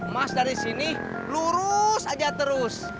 mas dari sini lurus aja terus